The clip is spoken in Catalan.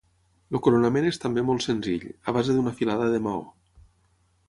El coronament és també molt senzill, a base d'una filada de maó.